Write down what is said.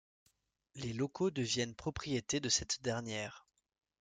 Les locaux deviennent propriété de cette dernière.